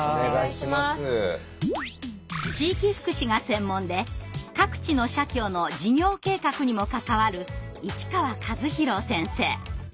地域福祉が専門で各地の社協の事業計画にも関わる市川一宏先生。